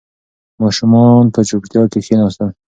ماشومان په چوپتیا کې کښېناستل.